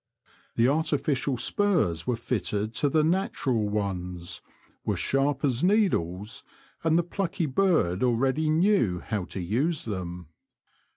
The artificial spurs were fitted to the natural ones, were sharp as needles, and the plucky bird already knew how to use them.